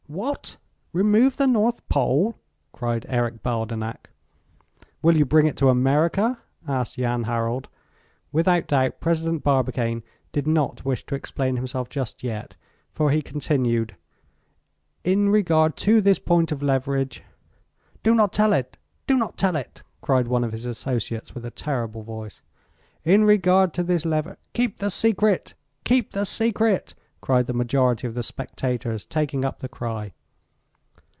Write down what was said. "What, remove the North Pole?" cried Eric Baldenak. "Will you bring it to America?" asked Jan Harald. Without doubt President Barbicane did not wish to explain himself just yet, for he continued: "In regard to this point of leverage " "Do not tell it! do not tell it!" cried one of his associates, with a terrible voice. "In regard to this lever " "Keep the secret! keep the secret!" cried the majority of the spectators, taking up the cry.